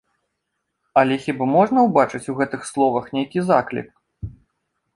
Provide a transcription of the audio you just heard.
Але хіба можна ўбачыць у гэтых словах нейкі заклік?